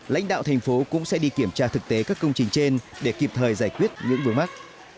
lãnh đạo thành phố cũng sẽ đi kiểm tra thực tế các công trình trên để kịp thời giải quyết những vướng mắt